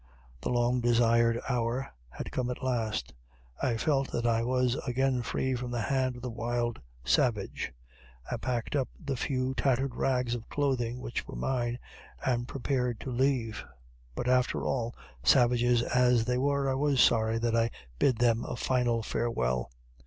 The long desired hour had come at last. I felt that I was again free from the hand of the wild savage. I packed up the few tattered rags of clothing which were mine, and prepared to leave; but after all, savages as they were, I was sorry when I bid them a final farewell.